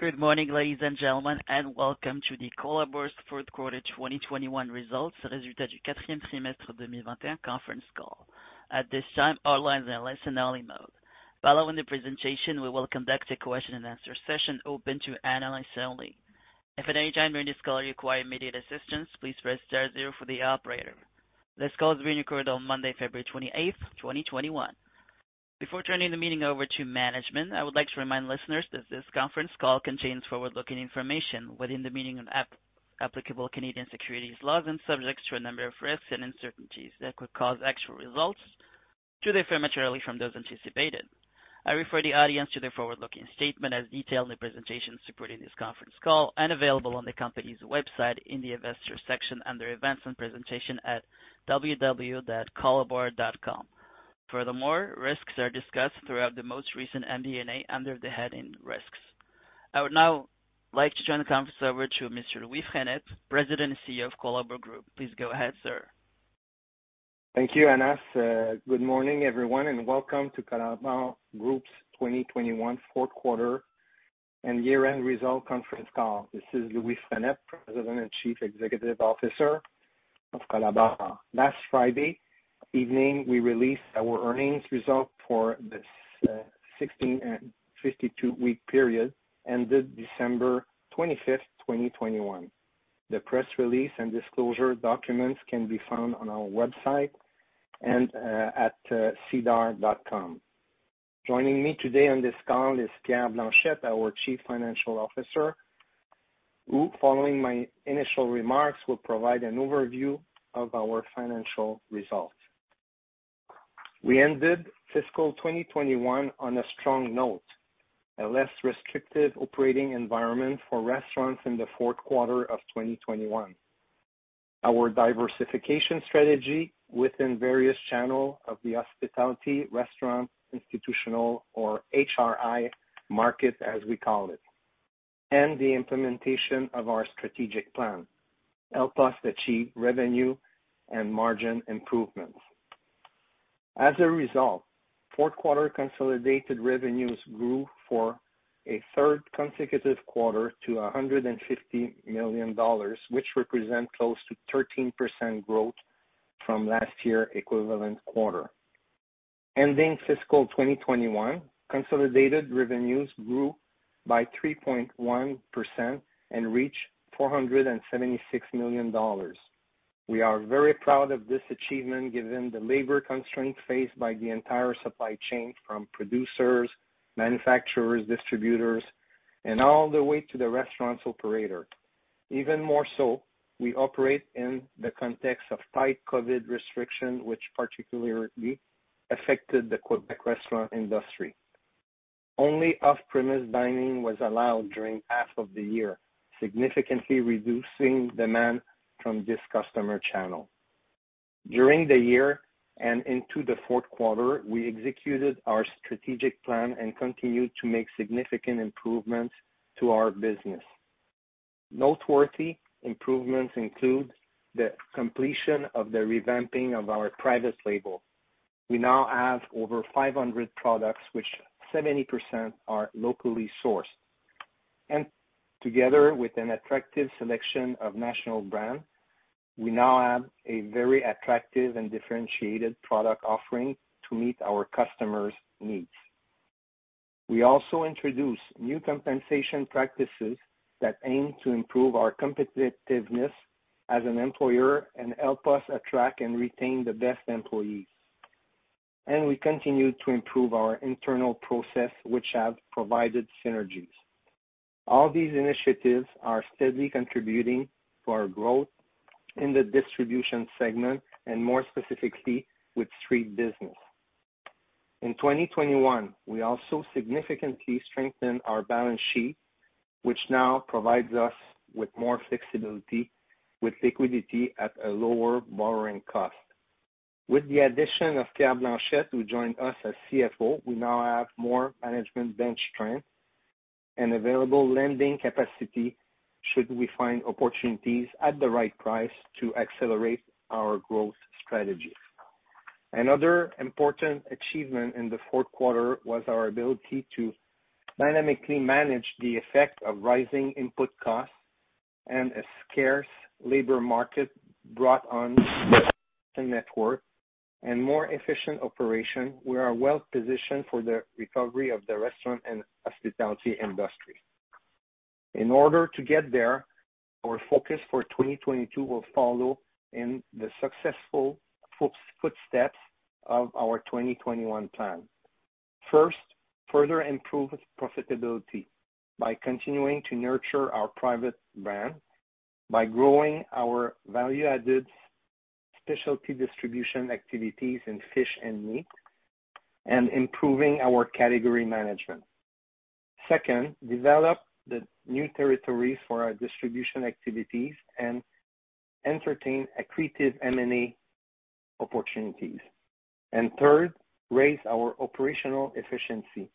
Good morning, ladies and gentlemen, and welcome to the Colabor Fourth Quarter 2021 Results Conference Call. At this time, all lines are in listen-only mode. Following the presentation, we will conduct a question-and-answer session open to analysts only. If at any time during this call you require immediate assistance, please press star zero for the operator. This call is being recorded on Monday, February 28, 2021. Before turning the meeting over to management, I would like to remind listeners that this conference call contains forward-looking information within the meaning of applicable Canadian securities laws and subjects to a number of risks and uncertainties that could cause actual results to differ materially from those anticipated. I refer the audience to the forward-looking statement as detailed in the presentation supporting this conference call and available on the company's website in the Investors section under Events and Presentation at www.colabor.com. Furthermore, risks are discussed throughout the most recent MD&A under the heading Risks. I would now like to turn the conference over to Mr. Louis Frenette, President and CEO of Colabor Group. Please go ahead, sir. Thank you, Anas. Good morning, everyone, and welcome to Colabor Group's 2021 Fourth Quarter and Year-End Results Conference Call. This is Louis Frenette, President and Chief Executive Officer of Colabor. Last Friday evening, we released our earnings results for the 52-week period ended December 25, 2021. The press release and disclosure documents can be found on our website and sedar.com. Joining me today on this call is Pierre Blanchette, our Chief Financial Officer, who following my initial remarks, will provide an overview of our financial results. We ended fiscal 2021 on a strong note, a less restrictive operating environment for restaurants in the fourth quarter of 2021. Our diversification strategy within various channel of the hospitality, restaurant, institutional or HRI market, as we call it, and the implementation of our strategic plan helped us achieve revenue and margin improvements. As a result, fourth quarter consolidated revenues grew for a third consecutive quarter to 150 million dollars, which represent close to 13% growth from last year equivalent quarter. Ending fiscal 2021, consolidated revenues grew by 3.1% and reached 476 million dollars. We are very proud of this achievement given the labor constraints faced by the entire supply chain from producers, manufacturers, distributors, and all the way to the restaurants operator. Even more so, we operate in the context of tight COVID restriction, which particularly affected the Quebec restaurant industry. Only off-premise dining was allowed during half of the year, significantly reducing demand from this customer channel. During the year and into the fourth quarter, we executed our strategic plan and continued to make significant improvements to our business. Noteworthy improvements include the completion of the revamping of our private label. We now have over 500 products, of which 70% are locally sourced. Together with an attractive selection of national brands, we now have a very attractive and differentiated product offering to meet our customers' needs. We also introduced new compensation practices that aim to improve our competitiveness as an employer and help us attract and retain the best employees. We continue to improve our internal processes, which have provided synergies. All these initiatives are steadily contributing to our growth in the distribution segment and more specifically with street business. In 2021, we also significantly strengthened our balance sheet, which now provides us with more flexibility with liquidity at a lower borrowing cost. With the addition of Pierre Blanchette, who joined us as CFO, we now have more management bench strength and available lending capacity should we find opportunities at the right price to accelerate our growth strategies. Another important achievement in the fourth quarter was our ability to dynamically manage the effect of rising input costs and a scarce labor market brought on by Omicron and more efficient operation. We are well positioned for the recovery of the restaurant and hospitality industry. In order to get there, our focus for 2022 will follow in the successful footsteps of our 2021 plan. First, further improve profitability by continuing to nurture our private brand, by growing our value-added specialty distribution activities in fish and meat, and improving our category management. Second, develop the new territories for our distribution activities and entertain accretive M&A opportunities. Third, raise our operational efficiency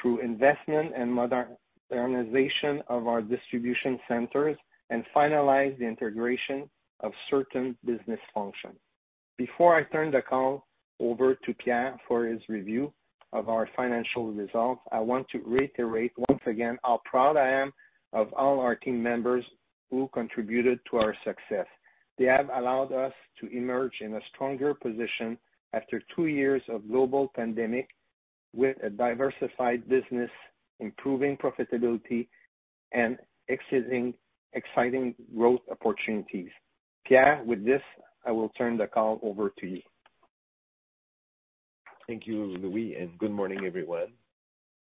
through investment and modernization of our distribution centers and finalize the integration of certain business functions. Before I turn the call over to Pierre for his review of our financial results, I want to reiterate once again how proud I am of all our team members who contributed to our success. They have allowed us to emerge in a stronger position after two years of global pandemic with a diversified business, improving profitability, and exciting growth opportunities. Pierre, with this, I will turn the call over to you. Thank you, Louis, and good morning, everyone.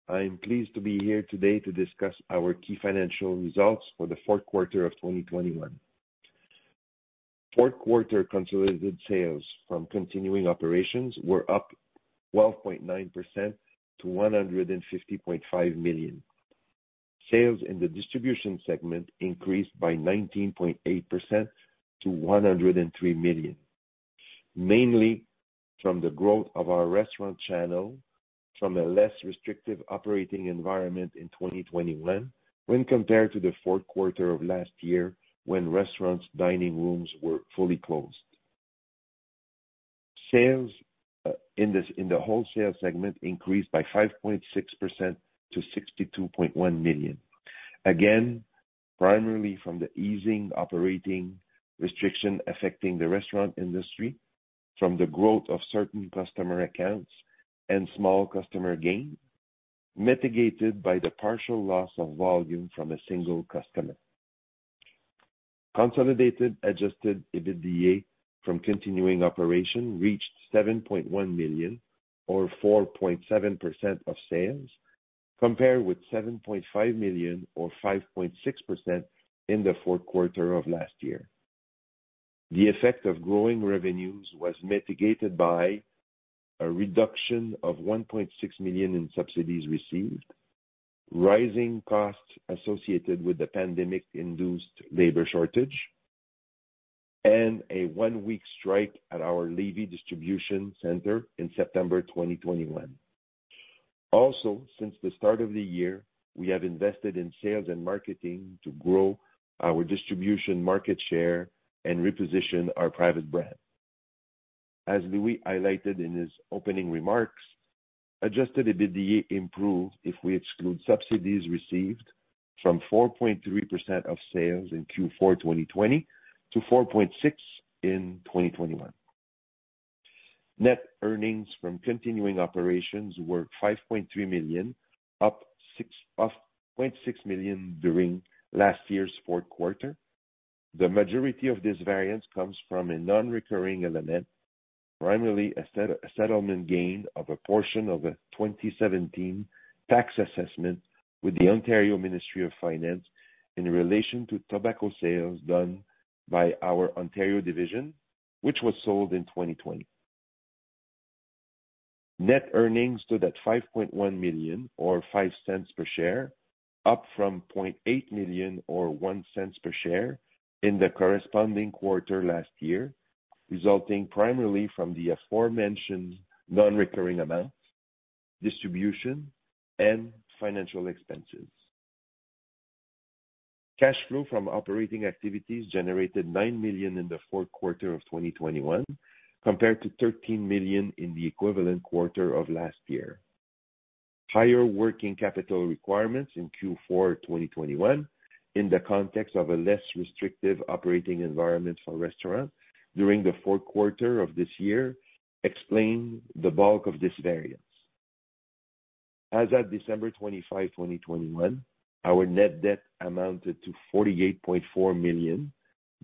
I am pleased to be here today to discuss our key financial results for the fourth quarter of 2021. Fourth quarter consolidated sales from continuing operations were up 12.9% to 150.5 million. Sales in the distribution segment increased by 19.8% to 103 million, mainly from the growth of our restaurant channel from a less restrictive operating environment in 2021 when compared to the fourth quarter of last year when restaurants' dining rooms were fully closed. Sales in the wholesale segment increased by 5.6% to 62.1 million. Again, primarily from the easing operating restriction affecting the restaurant industry from the growth of certain customer accounts and small customer gain, mitigated by the partial loss of volume from a single customer. Consolidated Adjusted EBITDA from continuing operations reached 7.1 million or 4.7% of sales, compared with 7.5 million or 5.6% in the fourth quarter of last year. The effect of growing revenues was mitigated by a reduction of 1.6 million in subsidies received, rising costs associated with the pandemic-induced labor shortage, and a one-week strike at our Lévis distribution center in September 2021. Also, since the start of the year, we have invested in sales and marketing to grow our distribution market share and reposition our private brand. As Louis highlighted in his opening remarks, Adjusted EBITDA improved if we exclude subsidies received from 4.3% of sales in Q4 2020 to 4.6% in 2021. Net earnings from continuing operations were 5.3 million, off 0.6 million during last year's fourth quarter. The majority of this variance comes from a non-recurring element, primarily a settlement gain of a portion of a 2017 tax assessment with the Ontario Ministry of Finance in relation to tobacco sales done by our Ontario division, which was sold in 2020. Net earnings stood at 5.1 million or 0.05 per share, up from 0.8 million or 0.01 per share in the corresponding quarter last year, resulting primarily from the aforementioned non-recurring amounts, distribution, and financial expenses. Cash flow from operating activities generated 9 million in the fourth quarter of 2021 compared to 13 million in the equivalent quarter of last year. Higher working capital requirements in Q4 2021 in the context of a less restrictive operating environment for restaurants during the fourth quarter of this year explain the bulk of this variance. As of December 25, 2021, our net debt amounted to 48.4 million,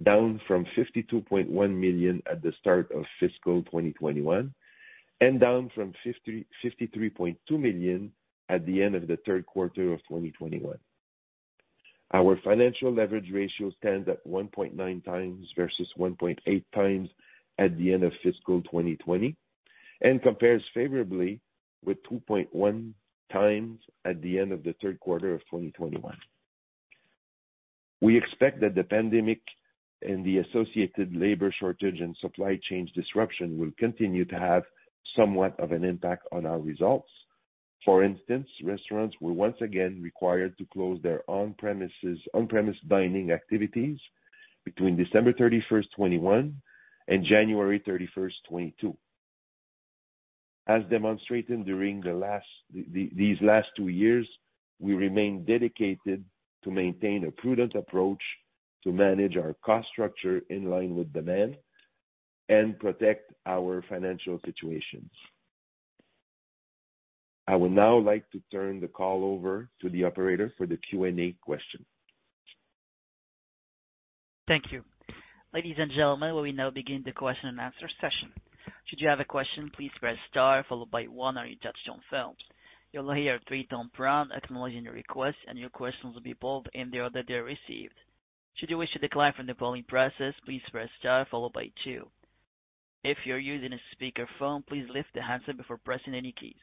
down from 52.1 million at the start of fiscal 2021 and down from 53.2 million at the end of the third quarter of 2021. Our financial leverage ratio stands at 1.9x versus 1.8x at the end of fiscal 2020 and compares favorably with 2.1x at the end of the third quarter of 2021. We expect that the pandemic and the associated labor shortage and supply chain disruption will continue to have somewhat of an impact on our results. For instance, restaurants were once again required to close their on-premises dining activities between December 31, 2021 and January 31, 2022. As demonstrated during these last two years, we remain dedicated to maintain a prudent approach to manage our cost structure in line with demand and protect our financial situations. I would now like to turn the call over to the operator for the Q&A question. Thank you. Ladies and gentlemen, we now begin the question and answer session. Should you have a question, please press star followed by one on your touchtone phone. You'll hear a three-tone prompt acknowledging your request, and your question will be pulled in the order they are received. Should you wish to decline from the polling process, please press star followed by two. If you're using a speaker phone, please lift the handset before pressing any keys.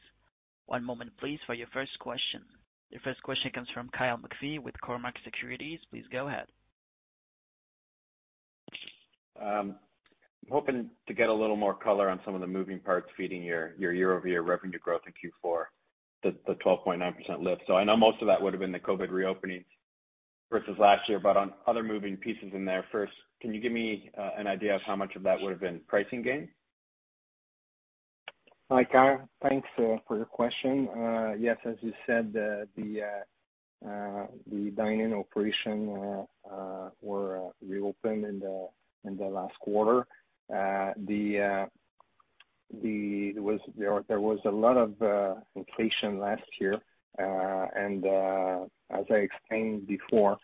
One moment please for your first question. Your first question comes from Kyle McPhee with Cormark Securities. Please go ahead. I'm hoping to get a little more color on some of the moving parts feeding your year-over-year revenue growth in Q4, the 12.9% lift. I know most of that would have been the COVID reopenings versus last year, but on other moving pieces in there. First, can you give me an idea of how much of that would have been pricing gains? Hi, Kyle. Thanks for your question. Yes, as you said, the dine-in operation were reopened in the last quarter. There was a lot of inflation last year. As I explained before,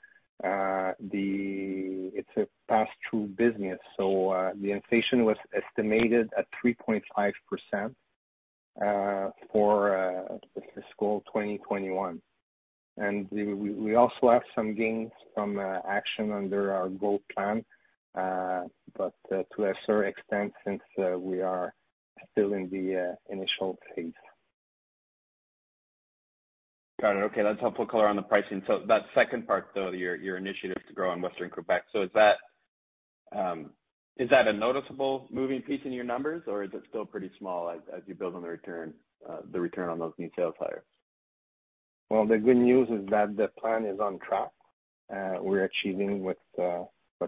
it's a pass-through business, so the inflation was estimated at 3.5% for fiscal 2021. We also have some gains from action under our growth plan, but to a certain extent since we are still in the initial phase. Got it. Okay. That's helpful color on the pricing. That second part, though, your initiatives to grow in Western Quebec. Is that a noticeable moving piece in your numbers, or is it still pretty small as you build on the return on those new sales hires? Well, the good news is that the plan is on track. We're achieving what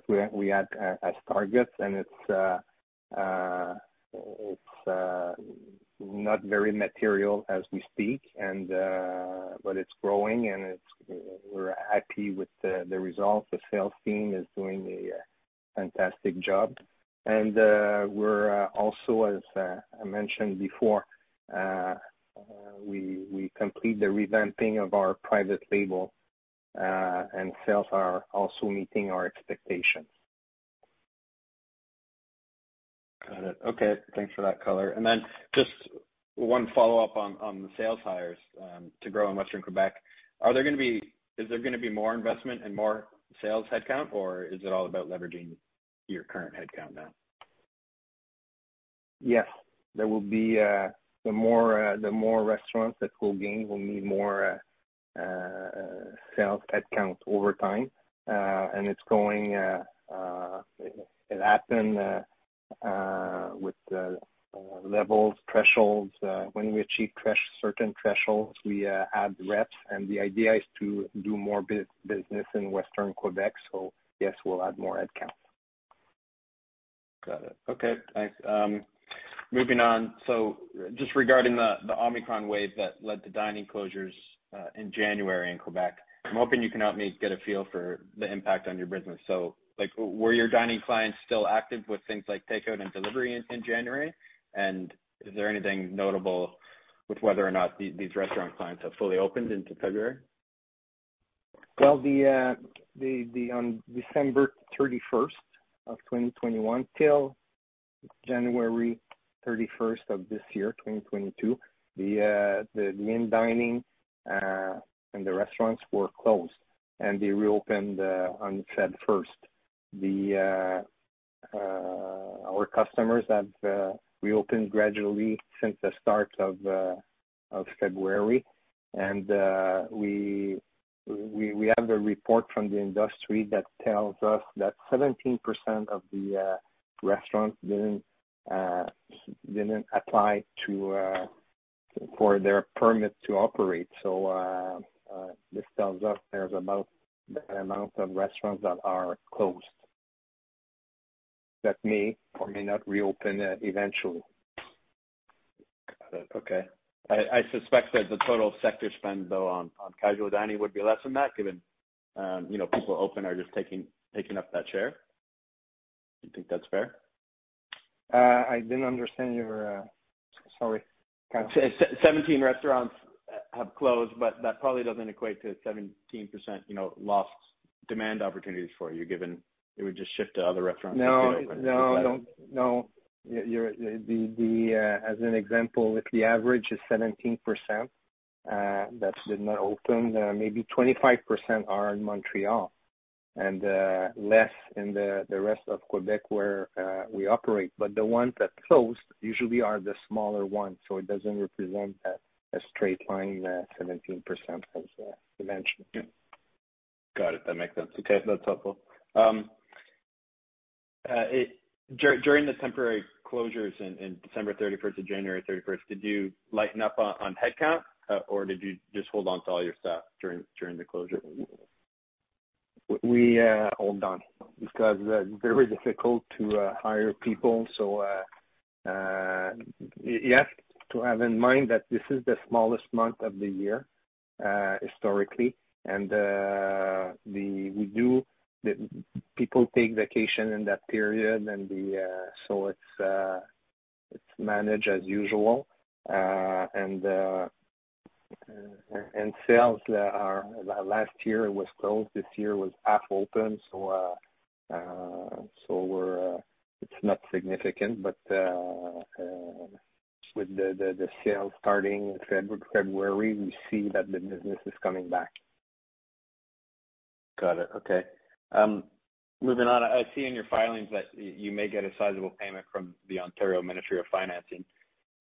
we had as targets, and it's not very material as we speak, but it's growing. We're happy with the results. The sales team is doing a fantastic job. We're also, as I mentioned before, we complete the revamping of our private label, and sales are also meeting our expectations. Got it. Okay. Thanks for that color. Then just one follow-up on the sales hires to grow in Western Quebec. Is there gonna be more investment and more sales headcount, or is it all about leveraging your current headcount now? Yes, there will be the more restaurants that we'll gain. We'll need more sales headcount over time. It happens with the levels, thresholds. When we achieve certain thresholds, we add reps, and the idea is to do more business in Western Quebec. Yes, we'll add more headcount. Got it. Okay, thanks. Moving on. Just regarding the Omicron wave that led to dining closures in January in Quebec, I'm hoping you can help me get a feel for the impact on your business. Like, were your dining clients still active with things like takeout and delivery in January? And is there anything notable with whether or not these restaurant clients have fully opened in February? Well, on December 31, 2021 to January 31, 2022, the in-dining and the restaurants were closed, and they reopened on February 1. Our customers have reopened gradually since the start of February. We have a report from the industry that tells us that 17% of the restaurants didn't apply for their permit to operate. This tells us there's about the amount of restaurants that are closed that may or may not reopen eventually. Got it. Okay. I suspect that the total sector spend though on casual dining would be less than that, given, you know, people open are just taking up that share. You think that's fair? I don't understand your—sorry. 17% of restaurants have closed, but that probably doesn't equate to 17%, you know, lost demand opportunities for you, given it would just shift to other restaurants that stay open. Is that— No. As an example, if the average is 17%, that did not open, maybe 25% are in Montreal and less in the rest of Quebec where we operate. The ones that closed usually are the smaller ones, so it doesn't represent a straight-line, 17% as you mentioned. Got it. That makes sense. Okay. That's helpful. During the temporary closures in December 31 to January 31, did you lighten up on headcount, or did you just hold on to all your staff during the closure? We hold on because it's very difficult to hire people. You have to have in mind that this is the smallest month of the year historically. People take vacation in that period. It's managed as usual. Last year it was closed. This year it was half open. It's not significant. With the sales starting in February, we see that the business is coming back. Got it. Okay. Moving on. I see in your filings that you may get a sizable payment from the Ontario Ministry of Finance.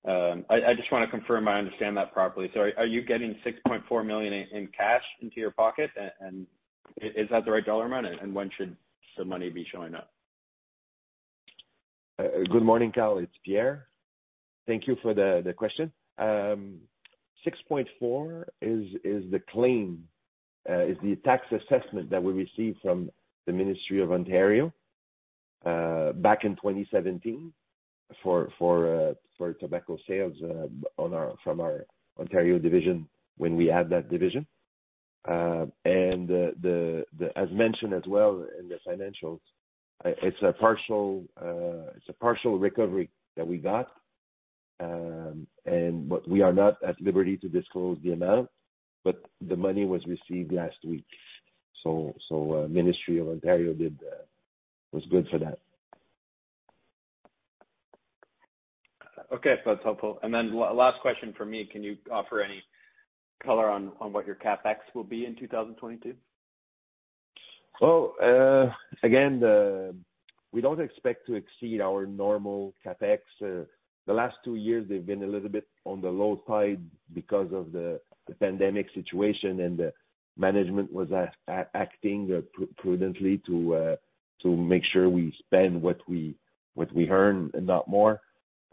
I just wanna confirm I understand that properly. Are you getting 6.4 million in cash into your pocket? Is that the right dollar amount? When should the money be showing up? Good morning, Kyle. It's Pierre. Thank you for the question. 6.4 is the claim, the tax assessment that we received from the Ontario Ministry of Finance back in 2017 for tobacco sales from our Ontario division when we had that division. As mentioned as well in the financials, it's a partial recovery that we got. We are not at liberty to disclose the amount, but the money was received last week. So, the Ontario Ministry of Finance was good for that. Okay. That's helpful. Last question from me. Can you offer any color on what your CapEx will be in 2022? Well, again, we don't expect to exceed our normal CapEx. The last two years they've been a little bit on the low side because of the pandemic situation and the management was acting prudently to make sure we spend what we earn and not more.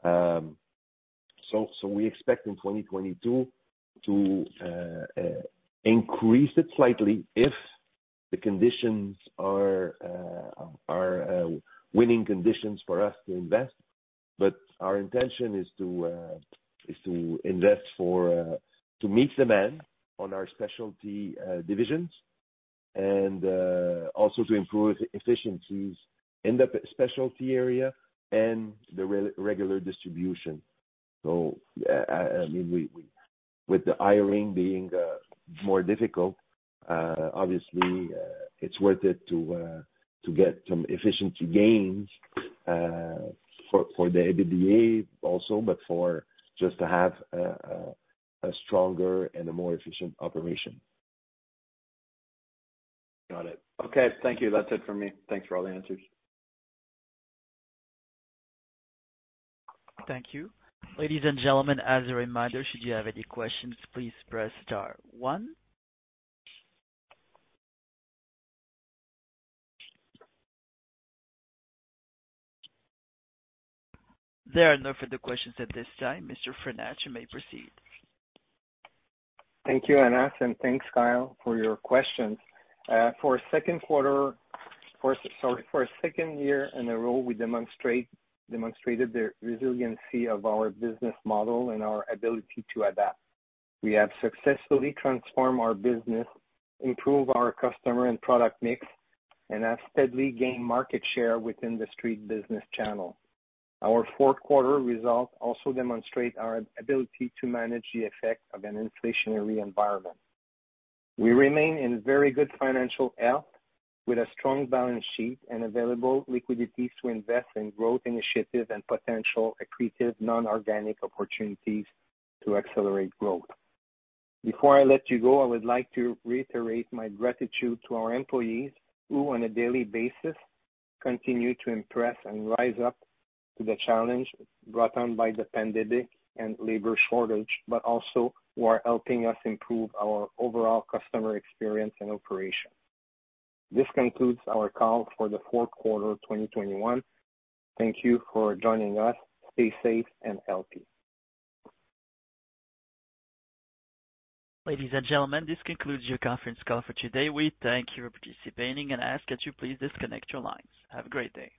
So we expect in 2022 to increase it slightly if the conditions are winning conditions for us to invest. But our intention is to invest to meet demand on our specialty divisions and also to improve efficiencies in the specialty area and the regular distribution. I mean, we with the hiring being more difficult, obviously, it's worth it to get some efficiency gains for the EBITDA also, but for just to have a stronger and a more efficient operation. Got it. Okay. Thank you. That's it for me. Thanks for all the answers. Thank you. Ladies and gentlemen, as a reminder, should you have any questions, please press star one. There are no further questions at this time. Mr. Frenette, you may proceed. Thank you, Anas, and thanks, Kyle, for your questions. For a second year in a row, we demonstrated the resiliency of our business model and our ability to adapt. We have successfully transformed our business, improved our customer and product mix, and have steadily gained market share within the street business channel. Our fourth quarter results also demonstrate our ability to manage the effect of an inflationary environment. We remain in very good financial health with a strong balance sheet and available liquidities to invest in growth initiatives and potential accretive non-organic opportunities to accelerate growth. Before I let you go, I would like to reiterate my gratitude to our employees, who on a daily basis continue to impress and rise up to the challenge brought on by the pandemic and labor shortage, but also who are helping us improve our overall customer experience and operation. This concludes our call for the fourth quarter 2021. Thank you for joining us. Stay safe and healthy. Ladies and gentlemen, this concludes your conference call for today. We thank you for participating and ask that you please disconnect your lines. Have a great day.